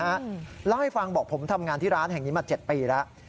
เล่าให้ฟังบอกผมทำงานที่ร้านแห่งนี้มา๗ปีแล้ว